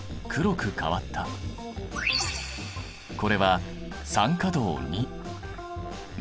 これは酸化銅。